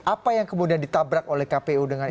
apa yang kemudian ditabrak oleh kpu dengan